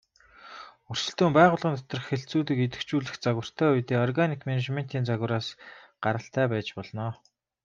Өрсөлдөөн байгууллын доторх хэлтсүүдийг идэвхжүүлэх загвартай үедээ органик менежментийн загвараас гаралтай байж болно.